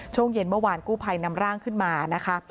ช่วงเย็นเมื่อวานกู้ภัยนำร่างขึ้นมานะคะ